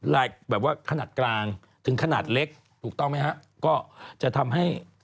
แบบว่าขนาดกลางถึงขนาดเล็กถูกต้องไหมฮะก็จะทำให้